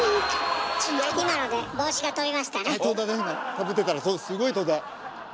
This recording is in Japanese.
かぶってたらすごい飛んだ。